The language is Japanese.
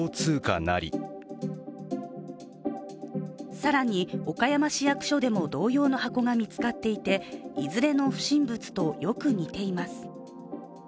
更に岡山市役所でも同様の箱が見つかっていていずれの不審物とよく似ています。